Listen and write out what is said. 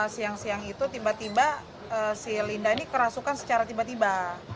siang siang itu tiba tiba si linda ini kerasukan secara tiba tiba